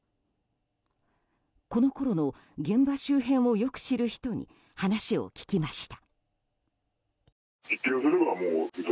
このころの現場周辺をよく知る人に、話を聞きました。